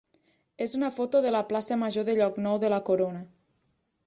és una foto de la plaça major de Llocnou de la Corona.